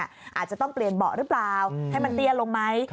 อาจจะต้องเปลี่ยนเบาะหรือเปล่าให้มันเตี้ยลงไหม